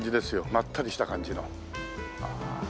まったりした感じの。